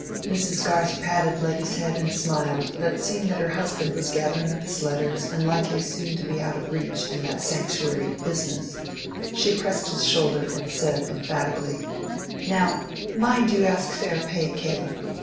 Mrs. Garth patted Letty's head and smiled, but seeing that her husband was gathering up his letters and likely soon to be out of reach in that sanctuary "business," she pressed his shoulder and said emphatically— "Now, mind you ask fair pay, Caleb."